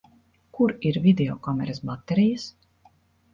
Kur ir videokameras baterijas?